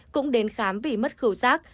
cũng đến khám vì mất khẩu giác